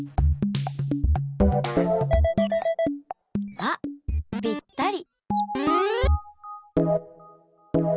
あっぴったり！